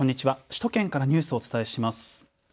首都圏からニュースをお伝えします。